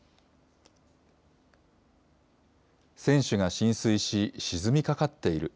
船首が浸水し、沈みかかっている。